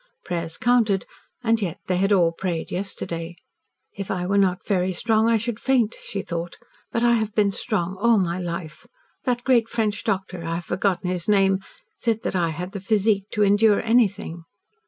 Prayers counted and, yet, they had all prayed yesterday. "If I were not very strong, I should faint," she thought. "But I have been strong all my life. That great French doctor I have forgotten his name said that I had the physique to endure anything."